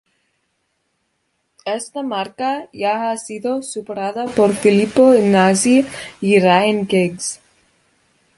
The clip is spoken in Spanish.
Esta marca ya ha sido superada por Filippo Inzaghi y Ryan Giggs.